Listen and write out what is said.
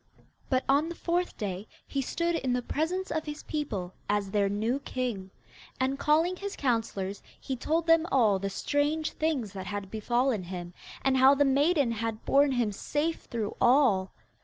But on the fourth day he stood in the presence of his people as their new king, and, calling his councillors, he told them all the strange things that had befallen him, and how the maiden had borne him safe through all.